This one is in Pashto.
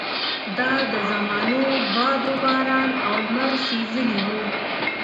دا د زمانو باد وباران او لمر سېزلي وو.